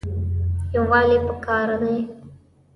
یووالی پکار دی